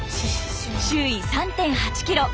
周囲３．８キロ。